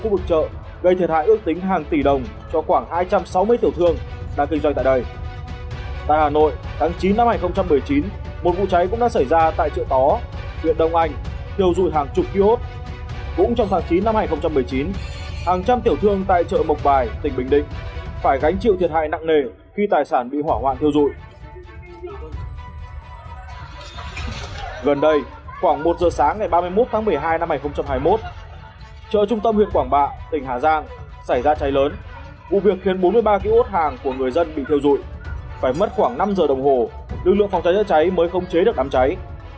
phải mất khoảng năm giờ đồng hồ lưu lượng phòng cháy cháy cháy mới không chế được đám cháy